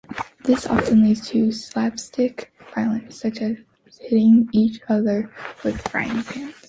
This often leads to slapstick violence, such as hitting each other with frying pans.